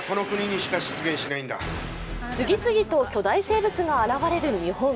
次々と巨大生物が現れる日本。